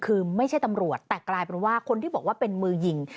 คือไม่ใช่ตำรวจแต่กลายเป็นว่าคนที่บอกว่าเป็นมือยิง